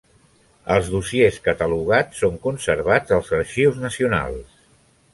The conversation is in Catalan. Els dossiers catalogats són conservats als arxius nacionals.